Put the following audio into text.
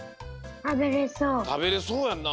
たべれそうやんな。